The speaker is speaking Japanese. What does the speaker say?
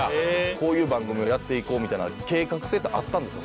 こういう番組をやっていこうみたいな計画性ってあったんですか？